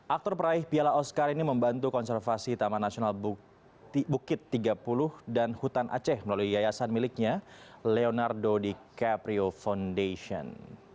aktor peraih piala oscar ini membantu konservasi taman nasional bukit tiga puluh dan hutan aceh melalui yayasan miliknya leonardo di caprio foundation